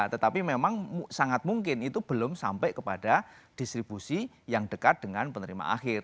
tetapi memang sangat mungkin itu belum sampai kepada distribusi yang dekat dengan penerima akhir